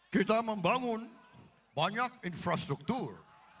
kita membangun banyak infrastruktur